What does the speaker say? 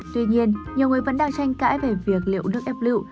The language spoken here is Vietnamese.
tuy nhiên nhiều người vẫn đang tranh cãi về việc liệu nước ép lưu